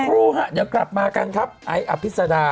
เดี๋ยวกลับมากันครับไอ้อภิษฎา